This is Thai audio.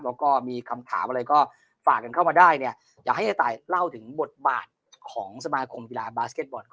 แล้วก็มีคำถามอะไรก็ฝากกันเข้ามาได้เนี่ยอยากให้ยายตายเล่าถึงบทบาทของสมาคมกีฬาบาสเก็ตบอล